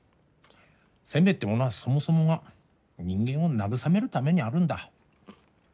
せんべいってものは、そもそもが人間を慰めるためにあるんだ。